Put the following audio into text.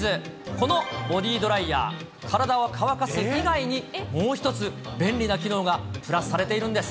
このボディドライヤー、体を乾かす以外に、もう一つ、便利な機能がプラスされているんです。